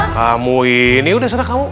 kamu ini udah serah kamu